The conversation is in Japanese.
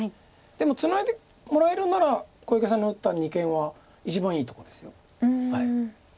でもツナいでもらえるなら小池さんの打った二間は一番いいとこです。